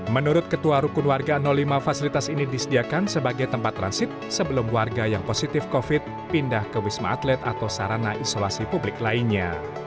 menurut ketua rukun warga lima fasilitas ini disediakan sebagai tempat transit sebelum warga yang positif covid sembilan belas pindah ke wisma atlet atau sarana isolasi publik lainnya